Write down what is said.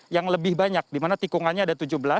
yang lebih banyak dimana tikungannya ada tujuh belas